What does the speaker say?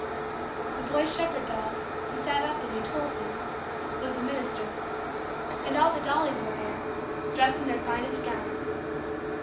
The boy's shepherd dog, who sat up when you told him, was the minister; and all the dollies were there, dressed in their finest gowns.